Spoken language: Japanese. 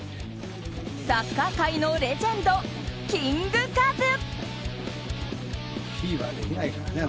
サッカー界のレジェンドキングカズ！